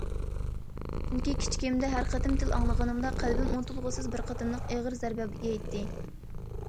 چۈنكى كىچىكىمدە ھەر قېتىم تىل ئاڭلىغىنىمدا قەلبىم ئۇنتۇلغۇسىز بىر قېتىملىق ئېغىر زەربە يەيتتى.